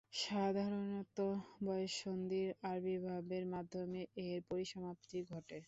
সাধারণত বয়ঃসন্ধির আবির্ভাবের মাধ্যমে এর পরিসমাপ্তি ঘটে।